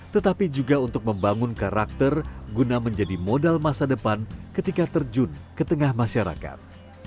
tetapi juga untuk membangun karakter guna menjadi modal masa depan ketika terjun ke tengah masyarakat